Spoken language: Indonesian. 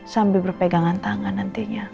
sambil berpegangan tangan nantinya